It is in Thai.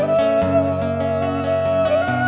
เฮ้ยเกิดไป